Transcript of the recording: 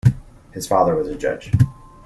His father was a judge.